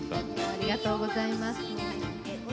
ありがとうございます。